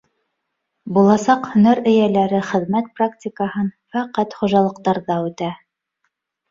Буласаҡ һөнәр эйәләре хеҙмәт практикаһын фәҡәт хужалыҡтарҙа үтә.